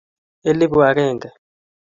elibu akenge